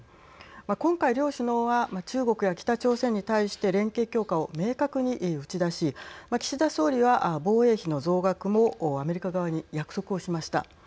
今回、両首脳は中国や北朝鮮に対して連携強化を明確に打ち出し岸田総理は、防衛費の増額もアメリカ側に約束をしました。